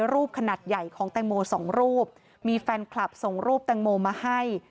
รูปขนาดใหญ่ของแตงโมสองรูปมีแฟนคลับส่งรูปแตงโมมาให้